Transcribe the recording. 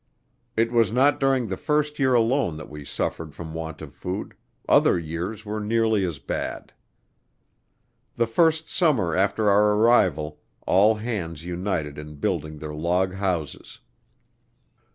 It was not during the first year alone that we suffered from want of food, other years were nearly as bad. The first summer after our arrival all hands united in building their log houses.